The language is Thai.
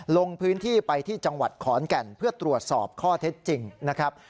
ลงพื้นที่ไปที่จังหวัดขอนแก่นเพื่อตรวจสอบข้อเท็จจริงนะครับ